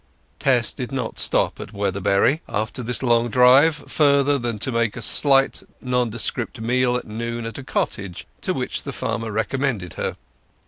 Tess did not stop at Weatherbury, after this long drive, further than to make a slight nondescript meal at noon at a cottage to which the farmer recommended her.